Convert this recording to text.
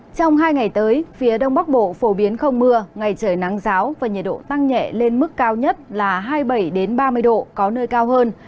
trong hai ngày tới phía đông bắc bộ phổ biến không mưa ngày trời nắng giáo và nhiệt độ tăng nhẹ lên mức cao nhất là hai mươi bảy ba mươi độ có nơi cao hơn